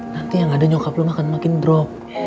nanti yang ada nyokap luma akan makin drop